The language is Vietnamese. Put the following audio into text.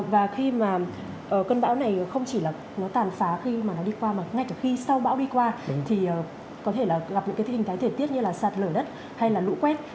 và khi mà cơn bão này không chỉ là nó tàn phá khi mà nó đi qua mà ngay cả khi sau bão đi qua thì có thể là gặp những cái hình thái thể tiết như là sạt lở đất hay là lũ quét